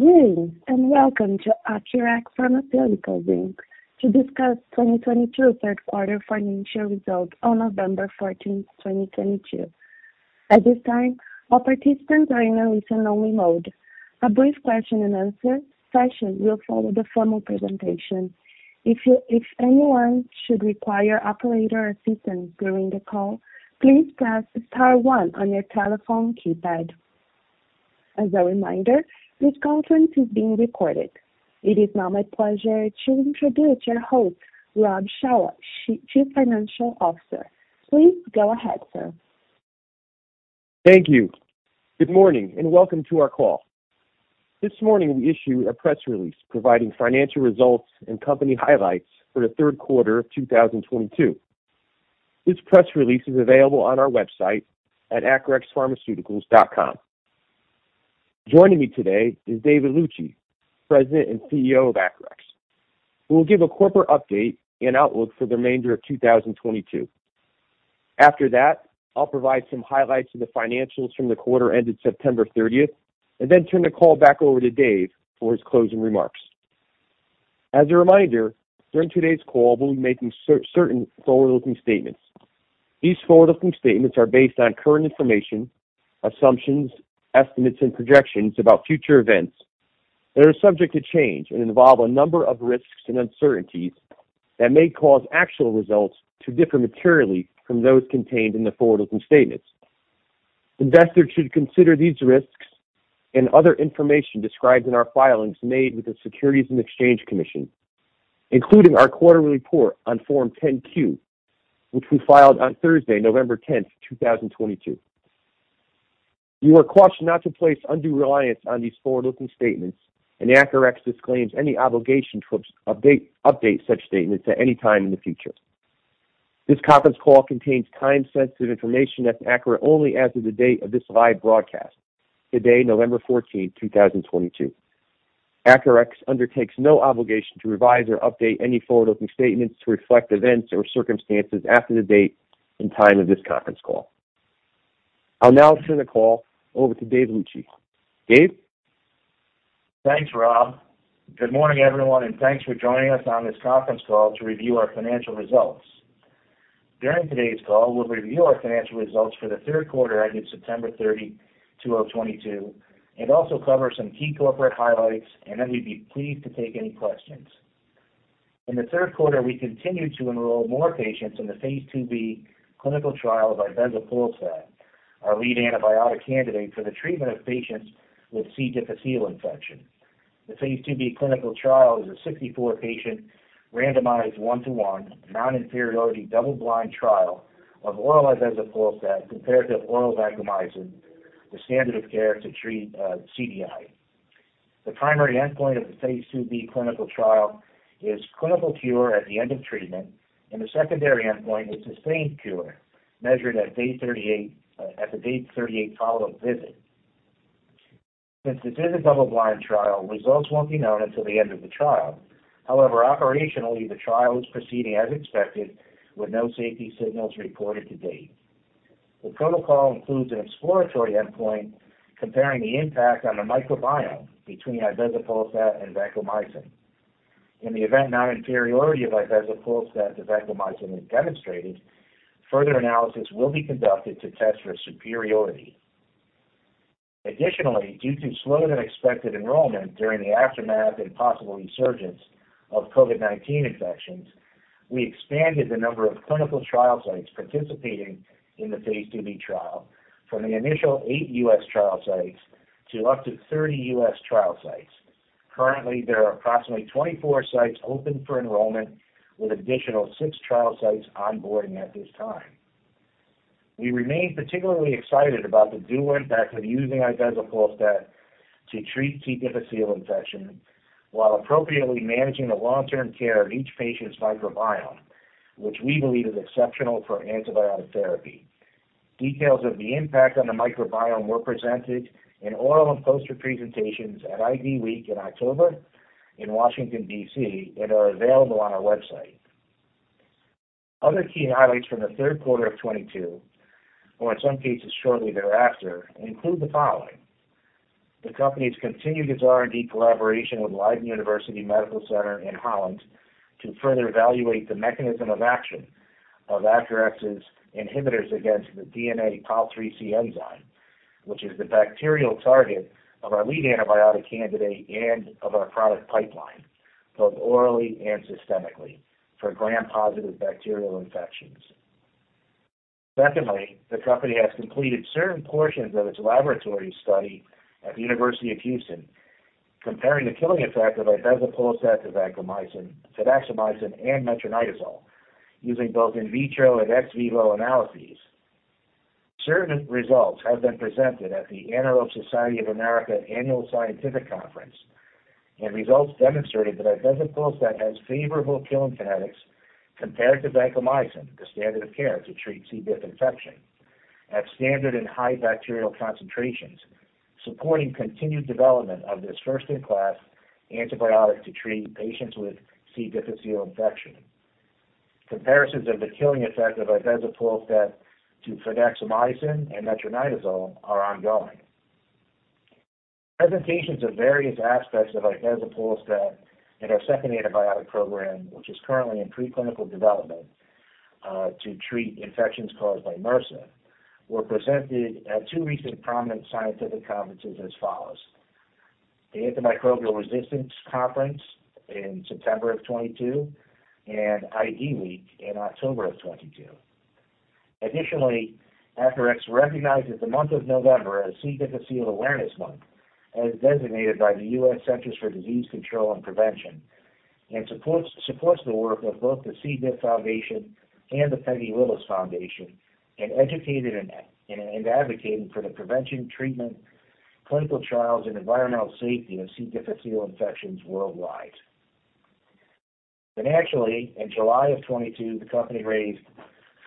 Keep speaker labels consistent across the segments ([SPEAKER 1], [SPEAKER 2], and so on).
[SPEAKER 1] Good day, and welcome to Acurx Pharmaceuticals, Inc. to discuss 2022 third quarter financial results on November 14, 2022. At this time, all participants are in a listen-only mode. A brief question and answer session will follow the formal presentation. If anyone should require operator assistance during the call, please press star one on your telephone keypad. As a reminder, this conference is being recorded. It is now my pleasure to introduce your host, Rob Shawah, Chief Financial Officer. Please go ahead, sir.
[SPEAKER 2] Thank you. Good morning, and welcome to our call. This morning, we issued a press release providing financial results and company highlights for the third quarter of 2022. This press release is available on our website at acurxpharmaceuticals.com. Joining me today is David Luci, President and CEO of Acurx, who will give a corporate update and outlook for the remainder of 2022. After that, I'll provide some highlights of the financials from the quarter ended September 30th, and then turn the call back over to Dave for his closing remarks. As a reminder, during today's call, we'll be making certain forward-looking statements. These forward-looking statements are based on current information, assumptions, estimates, and projections about future events. They are subject to change and involve a number of risks and uncertainties that may cause actual results to differ materially from those contained in the forward-looking statements. Investors should consider these risks and other information described in our filings made with the Securities and Exchange Commission, including our quarterly report on Form 10-Q, which we filed on Thursday, November 10th, 2022. You are cautioned not to place undue reliance on these forward-looking statements, and Acurx disclaims any obligation to update such statements at any time in the future. This conference call contains time-sensitive information that's accurate only as of the date of this live broadcast, today, November 14th, 2022. Acurx undertakes no obligation to revise or update any forward-looking statements to reflect events or circumstances after the date and time of this conference call. I'll now turn the call over to David Luci. Dave?
[SPEAKER 3] Thanks, Rob. Good morning, everyone, and thanks for joining us on this conference call to review our financial results. During today's call, we'll review our financial results for the third quarter ended September 30, 2022, and also cover some key corporate highlights, and then we'd be pleased to take any questions. In the third quarter, we continued to enroll more patients in the phase II-B clinical trial of ibezapolstat, our lead antibiotic candidate for the treatment of patients with C. difficile infection. The phase II-B clinical trial is a 64-patient randomized one-to-one non-inferiority double-blind trial of oral ibezapolstat compared to oral vancomycin, the standard of care to treat CDI. The primary endpoint of the phase II-B clinical trial is clinical cure at the end of treatment, and the secondary endpoint is sustained cure measured at day 38 at the day 38 follow-up visit. Since this is a double-blind trial, results won't be known until the end of the trial. However, operationally, the trial is proceeding as expected with no safety signals reported to date. The protocol includes an exploratory endpoint comparing the impact on the microbiome between ibezapolstat and vancomycin. In the event non-inferiority of ibezapolstat to vancomycin is demonstrated, further analysis will be conducted to test for superiority. Additionally, due to slower than expected enrollment during the aftermath and possible resurgence of COVID-19 infections, we expanded the number of clinical trial sites participating in the phase II-B trial from the initial eight U.S. trial sites to up to 30 U.S. trial sites. Currently, there are approximately 24 sites open for enrollment with additional six trial sites onboarding at this time. We remain particularly excited about the dual impact of using ibezapolstat to treat C. difficile infection while appropriately managing the long-term care of each patient's microbiome, which we believe is exceptional for antibiotic therapy. Details of the impact on the microbiome were presented in oral and poster presentations at IDWeek in October in Washington, D.C., and are available on our website. Other key highlights from the third quarter of 2022, or in some cases shortly thereafter, include the following. The company continued its R&D collaboration with Leiden University Medical Center in Holland to further evaluate the mechanism of action of Acurx's inhibitors against the DNA pol IIIC enzyme, which is the bacterial target of our lead antibiotic candidate and of our product pipeline, both orally and systemically, for gram-positive bacterial infections. Secondly, the company has completed certain portions of its laboratory study at the University of Houston comparing the killing effect of ibezapolstat to vancomycin, to vancomycin and metronidazole using both in vitro and ex vivo analyses. Certain results have been presented at the Anaerobe Society of the Americas Annual Scientific Conference, and results demonstrated that ibezapolstat has favorable killing kinetics compared to vancomycin, the standard of care to treat C. diff infection at standard and high bacterial concentrations, supporting continued development of this first-in-class antibiotic to treat patients with C. difficile infection. Comparisons of the killing effect of ACX-375C to vancomycin and metronidazole are ongoing. Presentations of various aspects of ACX-375C in our second antibiotic program, which is currently in preclinical development, to treat infections caused by MRSA, were presented at two recent prominent scientific conferences as follows. The Antimicrobial Resistance Conference in September of 2022 and ID Week in October of 2022. Additionally, Acurx recognized the month of November as C. difficile Awareness Month, as designated by the U.S. Centers for Disease Control and Prevention, and supports the work of both the C. Diff Foundation and the Peggy Lillis Foundation in educating and advocating for the prevention, treatment, clinical trials, and environmental safety of C. difficile infections worldwide. Actually, in July of 2022, the company raised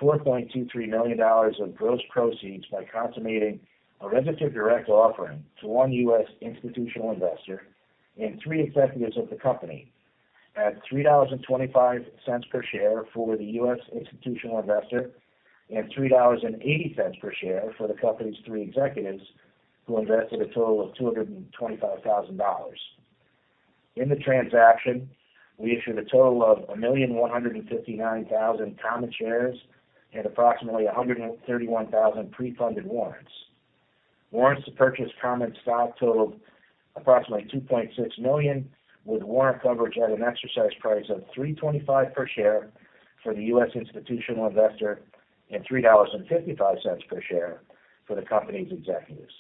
[SPEAKER 3] $4.23 million of gross proceeds by consummating a registered direct offering to one U.S. institutional investor and three executives of the company at $3.25 per share for the U.S. institutional investor and $3.80 per share for the company's three executives, who invested a total of $225,000. In the transaction, we issued a total of 1,159,000 common shares and approximately 131,000 pre-funded warrants. Warrants to purchase common stock totaled approximately 2.6 million, with warrant coverage at an exercise price of $3.25 per share for the U.S. institutional investor and $3.55 per share for the company's executives.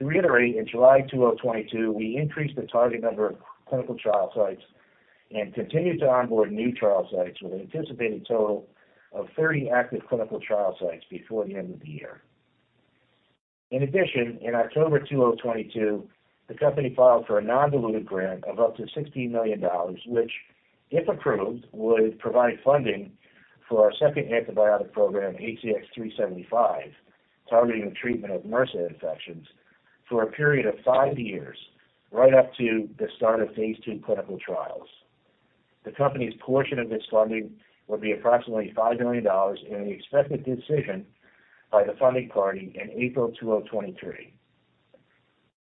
[SPEAKER 3] To reiterate, in July 2022, we increased the target number of clinical trial sites and continued to onboard new trial sites with an anticipated total of 30 active clinical trial sites before the end of the year. In addition, in October 2022, the company filed for a non-dilutive grant of up to $60 million, which if approved, would provide funding for our second antibiotic program, ACX-375, targeting the treatment of MRSA infections for a period of five years, right up to the start of phase II clinical trials. The company's portion of this funding will be approximately $5 million and we expect a decision by the funding party in April 2023.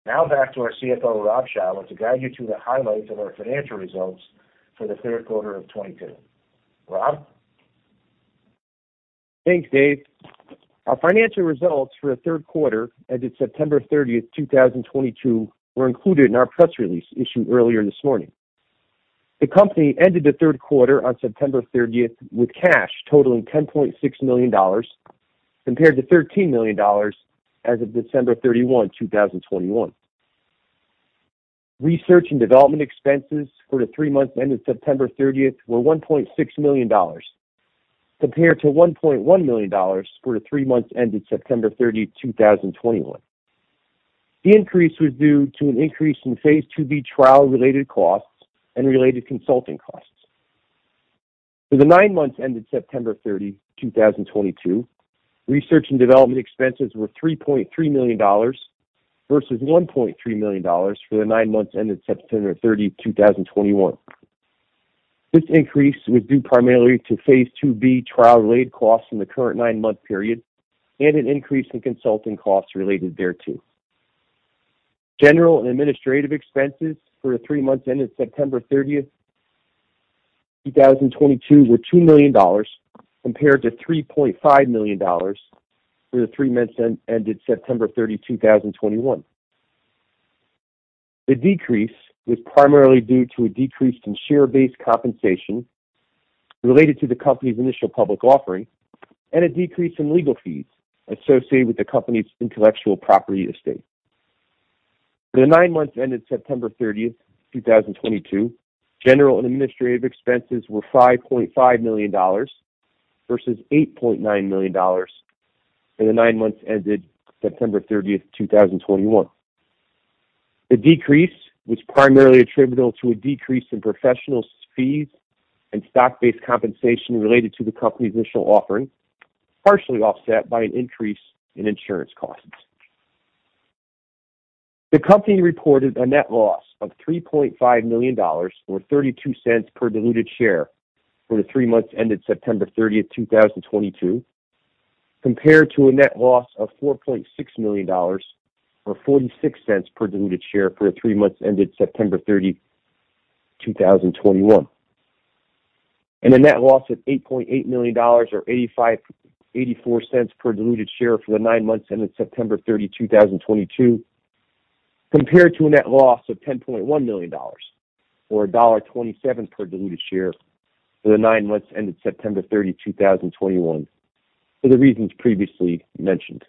[SPEAKER 3] Now back to our CFO, Rob Shawah, to guide you through the highlights of our financial results for the third quarter of 2022. Rob.
[SPEAKER 2] Thanks, Dave. Our financial results for the third quarter ended September 30th, 2022 were included in our press release issued earlier this morning. The company ended the third quarter on September 30th with cash totaling $10.6 million, compared to $13 million as of December 31, 2021. Research and development expenses for the three months ended September 30th were $1.6 million, compared to $1.1 million for the three months ended September 30, 2021. The increase was due to an increase in phase II-B trial related costs and related consulting costs. For the nine months ended September 30, 2022, research and development expenses were $3.3 million versus $1.3 million for the nine months ended September 30, 2021. This increase was due primarily to phase II-B trial related costs in the current nine-month period and an increase in consulting costs related thereto. General and administrative expenses for the three months ended September 30th, 2022 were $2 million compared to $3.5 million for the three months ended September 30, 2021. The decrease was primarily due to a decrease in share-based compensation related to the company's initial public offering and a decrease in legal fees associated with the company's intellectual property estate. For the nine months ended September 30th, 2022, general and administrative expenses were $5.5 million versus $8.9 million for the nine months ended September 30, 2021. The decrease was primarily attributable to a decrease in professional fees and stock-based compensation related to the company's initial offering, partially offset by an increase in insurance costs. The company reported a net loss of $3.5 million or $0.32 per diluted share for the three months ended September 30th, 2022, compared to a net loss of $4.6 million or $0.46 per diluted share for the three months ended September 30, 2021. A net loss of $8.8 million or $0.84 per diluted share for the nine months ended September 30, 2022, compared to a net loss of $10.1 million or $1.27 per diluted share for the nine months ended September 30, 2021, for the reasons previously mentioned.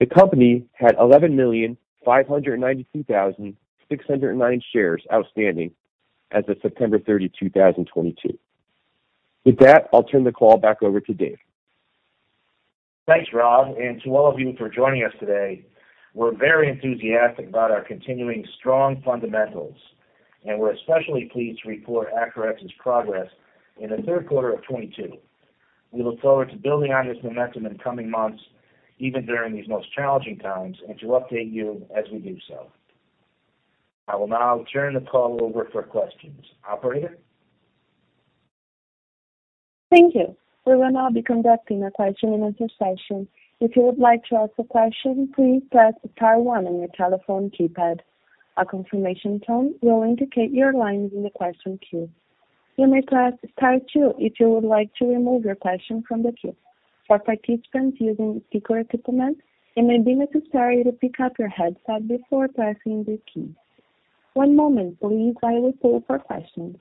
[SPEAKER 2] The company had 11,592,609 shares outstanding as of September 30, 2022. With that, I'll turn the call back over to Dave.
[SPEAKER 3] Thanks, Rob. To all of you for joining us today, we're very enthusiastic about our continuing strong fundamentals, and we're especially pleased to report Acurx's progress in the third quarter of 2022. We look forward to building on this momentum in the coming months, even during these most challenging times, and to update you as we do so. I will now turn the call over for questions. Operator?
[SPEAKER 1] Thank you. We will now be conducting a question-and-answer session. If you would like to ask a question, please press star one on your telephone keypad. A confirmation tone will indicate your line is in the question queue. You may press star two if you would like to remove your question from the queue. For participants using speaker equipment, it may be necessary to pick up your headset before pressing the key. One moment please while we wait for questions.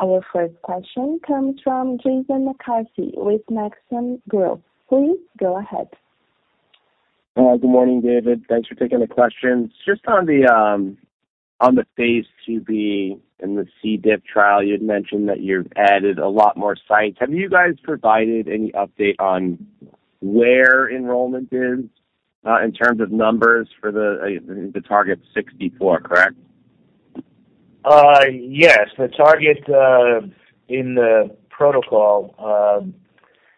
[SPEAKER 1] Our first question comes from Jason McCarthy with Maxim Group. Please go ahead.
[SPEAKER 4] Good morning, David. Thanks for taking the questions. Just on the phase II-B and the C. diff trial, you'd mentioned that you've added a lot more sites. Have you guys provided any update on where enrollment is in terms of numbers for the target 64, correct?
[SPEAKER 3] Yes. The target in the protocol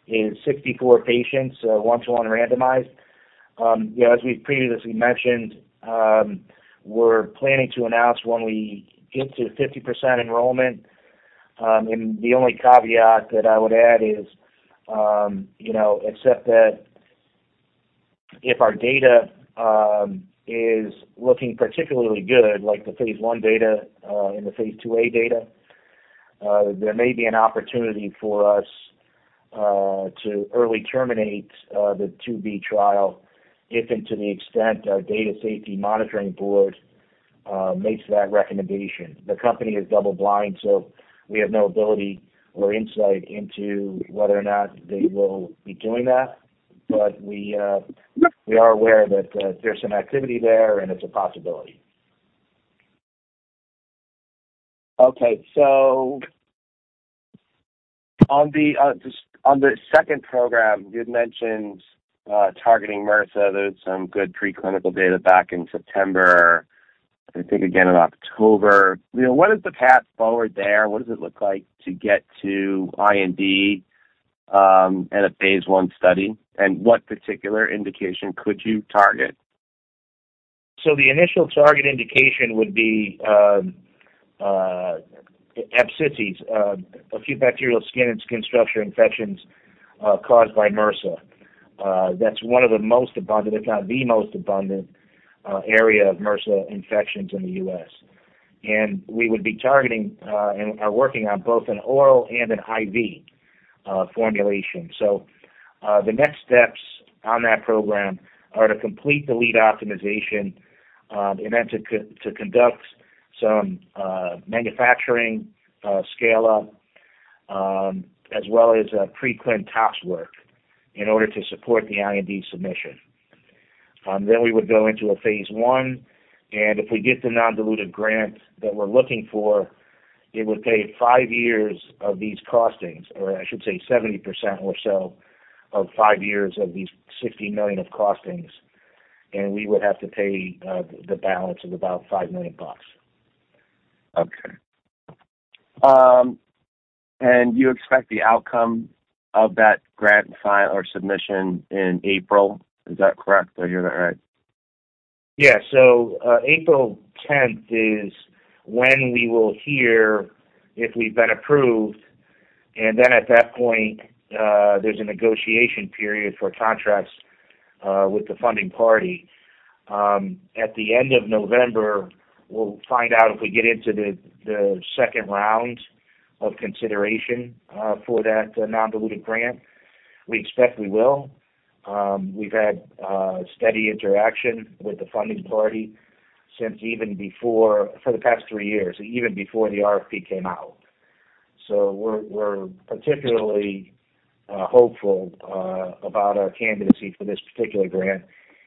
[SPEAKER 3] is 64 patients, 1:1 randomized. As we've previously mentioned, we're planning to announce when we get to 50% enrollment. The only caveat that I would add is, you know, except that if our data is looking particularly good, like the phase I data and the phase II-A data, there may be an opportunity for us to early terminate the 2-B trial if and to the extent our Data Safety Monitoring Board makes that recommendation. The company is double-blind, so we have no ability or insight into whether or not they will be doing that. We are aware that there's some activity there, and it's a possibility.
[SPEAKER 4] Okay. On the, just on the second program, you'd mentioned, targeting MRSA. There's some good preclinical data back in September, I think again in October. You know, what is the path forward there? What does it look like to get to IND, and a phase 1 study? What particular indication could you target?
[SPEAKER 3] The initial target indication would be ABSSSI, acute bacterial skin and skin structure infections caused by MRSA. That's one of the most abundant, if not the most abundant, area of MRSA infections in the U.S. We would be targeting and are working on both an oral and an IV formulation. The next steps on that program are to complete the lead optimization and then to conduct some manufacturing scale-up as well as a preclinical tox work in order to support the IND submission. We would go into a phase one, and if we get the non-dilutive grant that we're looking for, it would pay five years of these costings, or I should say 70% or so of five years of these $60 million of costings, and we would have to pay the balance of about $5 million.
[SPEAKER 4] Okay. You expect the outcome of that grant file or submission in April? Is that correct? Did I hear that right?
[SPEAKER 3] Yeah. April tenth is when we will hear if we've been approved. At that point, there's a negotiation period for contracts with the funding party. At the end of November, we'll find out if we get into the second round of consideration for that non-dilutive grant. We expect we will. We've had steady interaction with the funding party for the past three years, even before the RFP came out. We're particularly hopeful about our candidacy for this particular grant,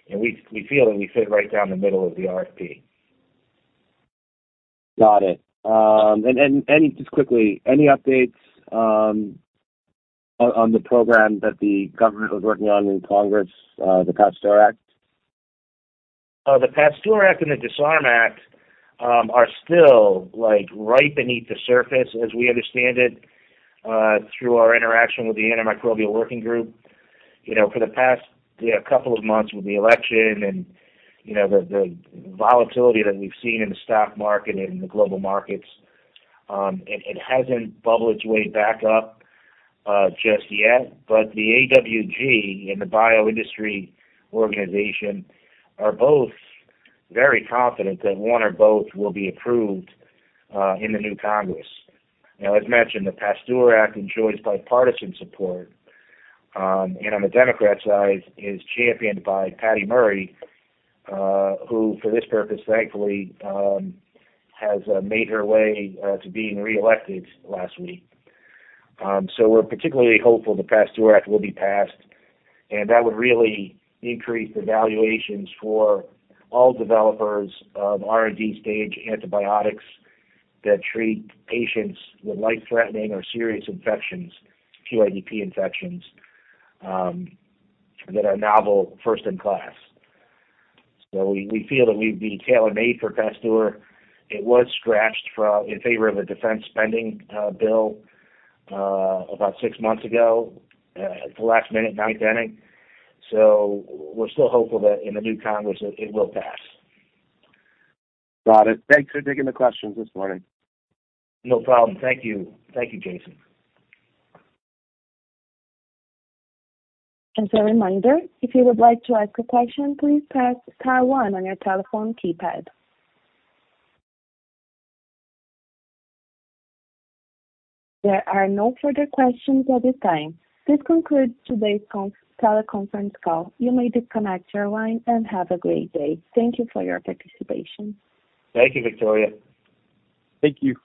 [SPEAKER 3] and we feel that we fit right down the middle of the RFP.
[SPEAKER 4] Got it. Just quickly, on the program that the government was working on in Congress, the PASTEUR Act?
[SPEAKER 3] The PASTEUR Act and the DISARM Act are still, like, right beneath the surface, as we understand it, through our interaction with the Antimicrobials Working Group. You know, for the past couple of months with the election and, you know, the volatility that we've seen in the stock market and the global markets, it hasn't bubbled its way back up just yet. The AWG and the Biotechnology Innovation Organization are both very confident that one or both will be approved in the new Congress. You know, as mentioned, the PASTEUR Act enjoys bipartisan support, and on the Democrat side is championed by Patty Murray, who for this purpose, thankfully, has made her way to being reelected last week. We're particularly hopeful the PASTEUR Act will be passed, and that would really increase the valuations for all developers of R&D stage antibiotics that treat patients with life-threatening or serious infections, PADP infections, that are novel first in class. We feel that we'd be tailor-made for PASTEUR. It was scratched in favor of a defense spending bill about six months ago at the last minute, ninth inning. We're still hopeful that in the new Congress, it will pass.
[SPEAKER 4] Got it. Thanks for taking the questions this morning.
[SPEAKER 3] No problem. Thank you. Thank you, Jason.
[SPEAKER 1] As a reminder, if you would like to ask a question, please press star one on your telephone keypad. There are no further questions at this time. This concludes today's teleconference call. You may disconnect your line and have a great day. Thank you for your participation.
[SPEAKER 3] Thank you, Victoria.
[SPEAKER 1] Thank you.